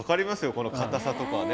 このかたさとかね。